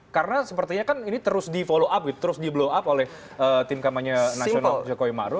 karena sepertinya kan ini terus di follow up gitu terus di blow up oleh tim kamarnya nasional jokowi ma'ruf